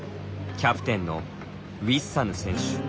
キャプテンのウィッサヌ選手。